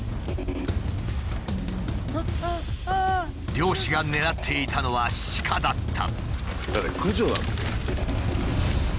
猟師が狙っていたのは鹿だった。